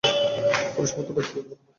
পুরুষের মতো বাইক চালাতে পারো না?